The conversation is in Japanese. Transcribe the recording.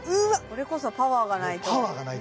これこそパワーがないとねえ